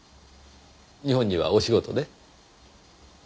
日本にはお仕事で？